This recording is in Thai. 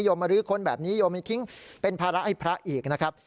มารื้อค้นแบบนี้โยมยังทิ้งเป็นภาระให้พระอีกนะครับ